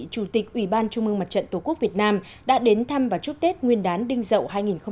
chủ tịch ủy ban trung ương mặt trận tổ quốc việt nam đã đến thăm và chúc tết nguyên đán đinh dậu hai nghìn một mươi bảy